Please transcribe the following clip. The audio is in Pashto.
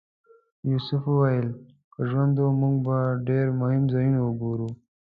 یوسف وویل که ژوند و موږ به ډېر مهم ځایونه وګورو.